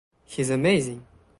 He’s amazing.